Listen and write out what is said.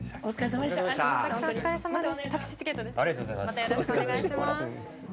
またよろしくお願いします。